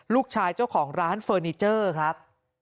ลูกชายเจ้าของร้านเฟอร์นิเจอร์ครับ